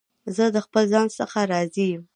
زه د خپل ځان څخه راضي یم.